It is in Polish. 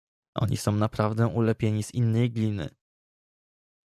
"Oni są naprawdę ulepieni z innej gliny“..."